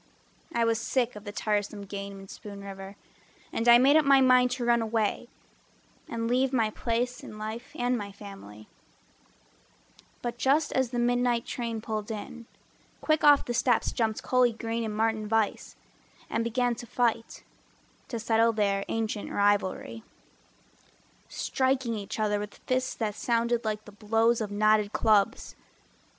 I was sick of the tiresome game in Spoon River And I made up my mind to run away And leave my place in life and my family; But just as the midnight train pulled in, Quick off the steps jumped Cully Green And Martin Vise, and began to fight To settle their ancient rivalry, Striking each other with fists that sounded Like the blows of knotted clubs.